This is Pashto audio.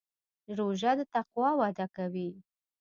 روژه د تقوا وده کوي.